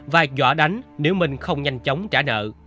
và dọa đánh nếu minh không nhanh chóng trả nợ